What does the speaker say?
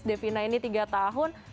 devina ini tiga tahun